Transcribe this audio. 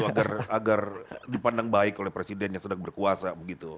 agar dipandang baik oleh presiden yang sedang berkuasa begitu